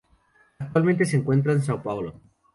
Actualmente se encuentra en São Paulo.